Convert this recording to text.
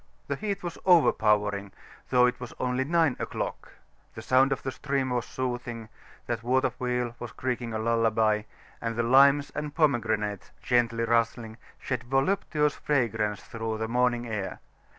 The heat was overpowering, though it was only nine o'clock, the sound of the stream was soothing, that water wheel was creaking a lullaby, and the limes and pomegranates, gently rustling, shed voluptuous fragrance through the morning air.